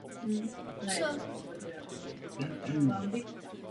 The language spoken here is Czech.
Zprvu se firma držela a snažila se pomáhat potřebným dle svých možností.